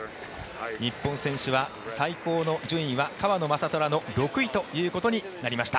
日本選手は最高の順位は川野将虎の６位ということになりました。